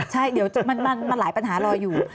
ใช่เดี๋ยวมันหลายปัญหารออยู่